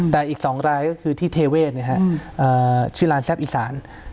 แต่อีก๒รายก็คือที่เทเวศชื่อร้านแซ่บอีสาน